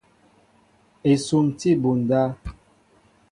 Esŭm tí abunda.